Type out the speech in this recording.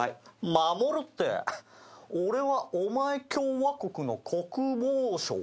守るって俺はお前共和国の国防省か？